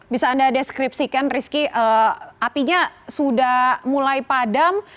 bisa anda deskripsikan rizky apinya sudah mulai padam